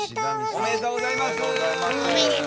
おめでとうございます。